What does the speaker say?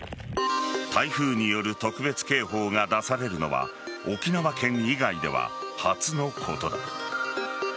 台風による特別警報が出されるのは沖縄県以外では初のことだ。